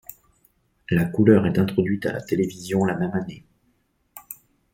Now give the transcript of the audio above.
La couleur est introduite à la télévision la même année.